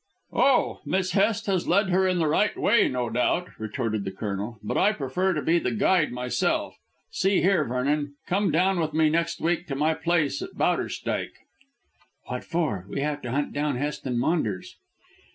"Oh, Miss Hest has led her in the right way, no doubt," retorted the Colonel; "but I prefer to be the guide myself. See here, Vernon, come down with me next week to my place at Bowderstyke." "What for? We have to hunt down Hest and Maunders."